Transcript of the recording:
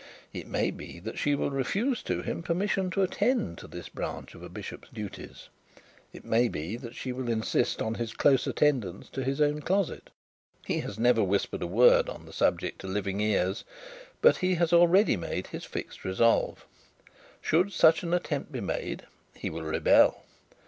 It may be that she will refuse to him permission to attend to this branch of a bishop's duties; it may be that she will insist on his close attendance to his own closet. He has never whispered a word on the subject to living ears, but he has already made his fixed resolve. Should such an attempt be made he will rebel.